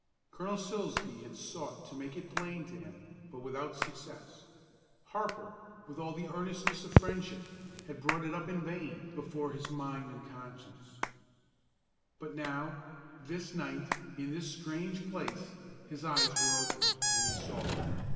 Colonel Silsbee had sought to make it plain to him, but without success; Harple, with all the earnestness of friendship, had brought it up in vain before his mind and conscience. But now, this night, in this strange place, his eyes were opened, and he saw.